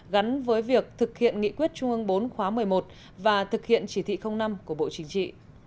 gắn với việc thực hiện nghị quyết trung ương bốn khóa một mươi một và thực hiện chỉ thị năm của bộ chính trị